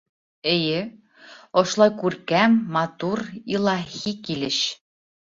— Эйе, ошолай күркәм, матур илаһи килеш.